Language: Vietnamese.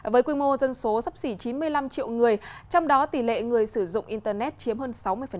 với quy mô dân số sắp xỉ chín mươi năm triệu người trong đó tỷ lệ người sử dụng internet chiếm hơn sáu mươi